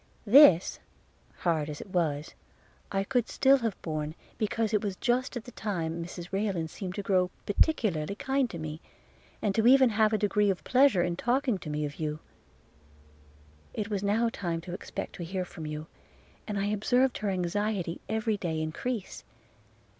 This, hard as it was, I could still have borne, because it was just at that time Mrs Rayland seemed to grow particularly kind to me; and to have even a degree of pleasure in talking to me of you. It was now time to expect to hear from you, and I observed her anxiety every day increase.